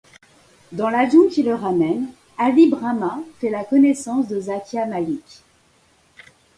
Dans l'avion qui le ramène, Ali Brahma fait la connaissance de Zakia Malik.